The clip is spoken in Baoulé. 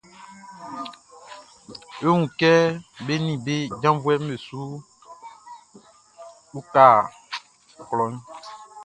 E wun kɛ be nin be janvuɛʼn be su uka klɔʼn.